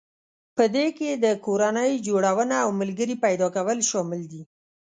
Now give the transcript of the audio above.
په دې کې د کورنۍ جوړونه او ملګري پيدا کول شامل دي.